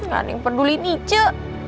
gak ada yang peduli ini ce